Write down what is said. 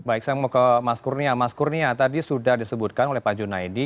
baik saya mau ke mas kurnia mas kurnia tadi sudah disebutkan oleh pak junaidi